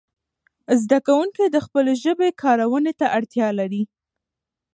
زده کوونکي د خپلې ژبې کارونې ته اړتیا لري.